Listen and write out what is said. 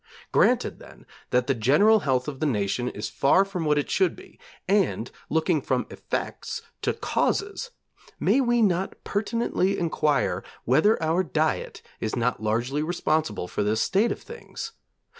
Granted, then, that the general health of the nation is far from what it should be, and looking from effects to causes, may we not pertinently enquire whether our diet is not largely responsible for this state of things?